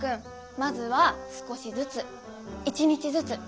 まずは少しずつ１日ずつねっ。